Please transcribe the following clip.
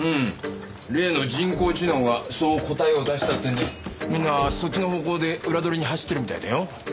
例の人工知能がそう答えを出したってんでみんなそっちの方向で裏取りに走ってるみたいだよ。